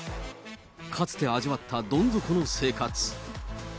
かつて味わったどん底の生活。